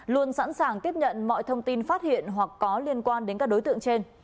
luôn sẵn sàng tiếp nhận mọi thông tin phát hiện hoặc có liên quan đến các đối tượng trên